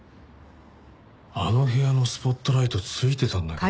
あの部屋のスポットライトついてたんだけどな。